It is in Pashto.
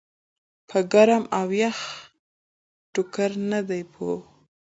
پۀ ګرم او يخ ټکور نۀ دي پوهه